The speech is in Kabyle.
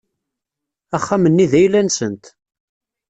Axxam-nni d ayla-nsent.